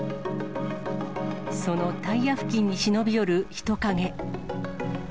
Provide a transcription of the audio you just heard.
そのタイヤ付近に忍び寄る人影。